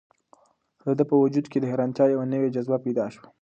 د ده په وجود کې د حیرانتیا یوه نوې جذبه پیدا شوه.